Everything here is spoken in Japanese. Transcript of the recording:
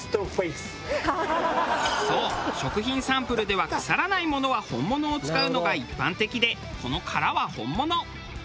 そう食品サンプルでは腐らないものは本物を使うのが一般的でこの殻は本物。